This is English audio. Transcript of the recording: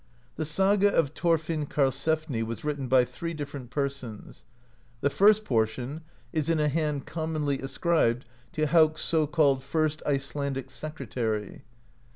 The Saga of Thorfinn Karlsefni was written by three different persons ; the first portion is in a hand commonly ascribed to Hauk's so called "first Icelandic secretary."